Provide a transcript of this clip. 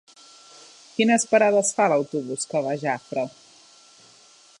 Quines parades fa l'autobús que va a Jafre?